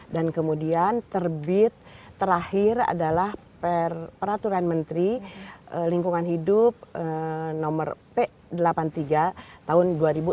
dan kemudian terbit terakhir adalah peraturan menteri lingkungan hidup nomor p delapan puluh tiga tahun dua ribu enam belas